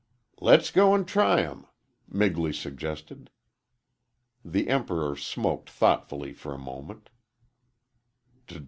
"Le's go an' try 'em," Migley suggested. The Emperor smoked thoughtfully a moment.